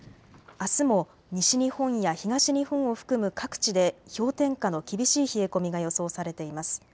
あすも西日本や東日本を含む各地で氷点下の厳しい冷え込みが予想されています。